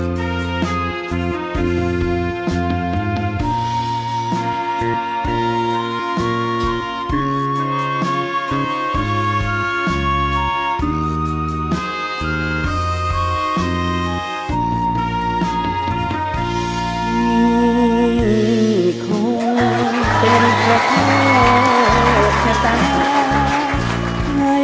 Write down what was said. มีคนเป็นเธอถ้าแค่สงัย